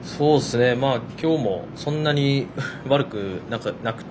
今日もそんなに悪くなくて。